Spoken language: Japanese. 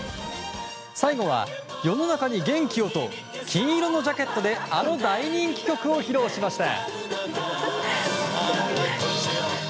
最後は、世の中に元気をと金色のジャケットであの大人気曲を披露しました。